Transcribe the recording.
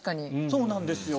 そうなんですよ。